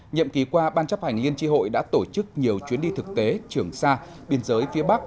nhậm ký qua ban chấp hành liên tri hội đã tổ chức nhiều chuyến đi thực tế trường xa biên giới phía bắc